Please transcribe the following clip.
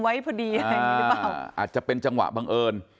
วัยพอดีหรือเปล่าอาจจะเป็นจังหวะบังเอิญ